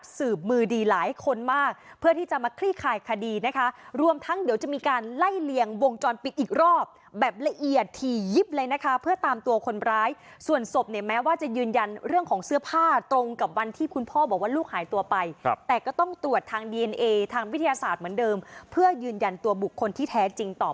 สืบมือดีหลายคนมากเพื่อที่จะมาคลี่คายคดีนะคะรวมทั้งเดี๋ยวจะมีการไล่เลียงวงจรปิดอีกรอบแบบละเอียดถี่ยิบเลยนะคะเพื่อตามตัวคนร้ายส่วนศพเนี่ยแม้ว่าจะยืนยันเรื่องของเสื้อผ้าตรงกับวันที่คุณพ่อบอกว่าลูกหายตัวไปแต่ก็ต้องตรวจทางดีเอนเอทางวิทยาศาสตร์เหมือนเดิมเพื่อยืนยันตัวบุคคลที่แท้จริงต่อ